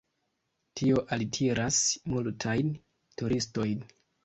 Tio altiras multajn turistojn.